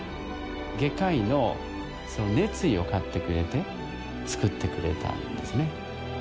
外科医の熱意を買ってくれて作ってくれたんですね。